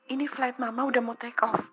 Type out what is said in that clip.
ini flight mama udah mau take off